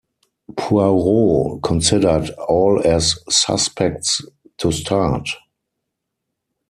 Poirot considered all as suspects to start.